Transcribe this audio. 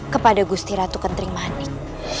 kepada gusti ratu kentring manik